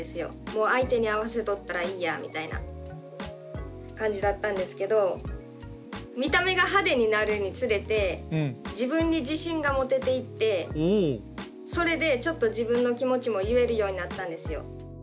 もう相手に合わせとったらいいやみたいな感じだったんですけど見た目が派手になるにつれて自分に自信が持てていってそれでちょっと自分の気持ちも言えるようになったんですよ。